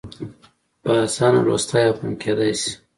په اسانه لوستی او فهم کېدای شي.